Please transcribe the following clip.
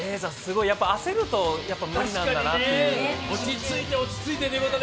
焦ると無理なんだなという。